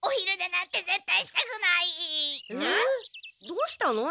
どうしたの？